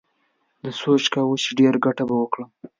ده سوچ کاوه چې ډېره گټه به وکړم.